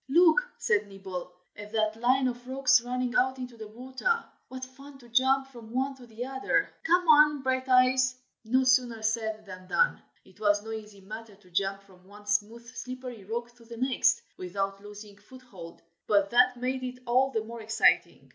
"Look!" said Nibble, "at that line of rocks running out into the water. What fun to jump from one to the other! come on, Brighteyes!" No sooner said than done. It was no easy matter to jump from one smooth slippery rock to the next, without losing foothold, but that made it all the more exciting.